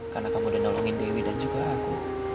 karena kamu udah nolongin dewi dan juga aku